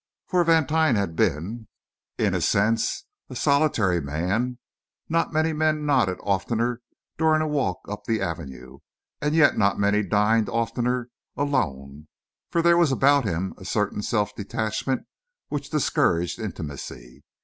For Vantine had been, in a sense, a solitary man; not many men nodded oftener during a walk up the Avenue, and yet not many dined oftener alone; for there was about him a certain self detachment which discouraged intimacy.